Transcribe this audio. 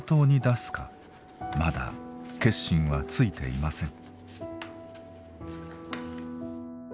まだ決心はついていません。